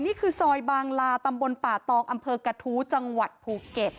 นี่คือซอยบางลาตำบลป่าตองอำเภอกระทู้จังหวัดภูเก็ต